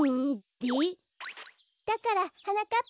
だからはなかっ